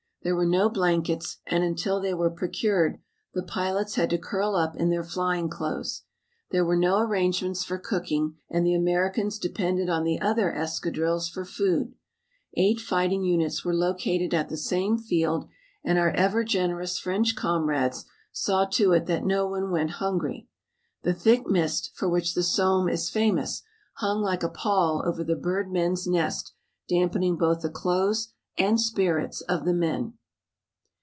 There were no blankets and until they were procured the pilots had to curl up in their flying clothes. There were no arrangements for cooking and the Americans depended on the other escadrilles for food. Eight fighting units were located at the same field and our ever generous French comrades saw to it that no one went hungry. The thick mist, for which the Somme is famous, hung like a pall over the birdmen's nest dampening both the clothes and spirits of the men.